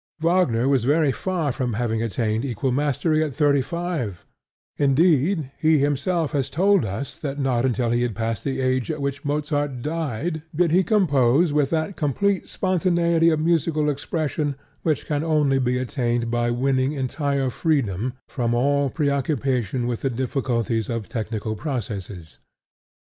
Wagner was very far from having attained equal mastery at thirty five: indeed he himself has told us that not until he had passed the age at which Mozart died did he compose with that complete spontaneity of musical expression which can only be attained by winning entire freedom from all preoccupation with the difficulties of technical processes.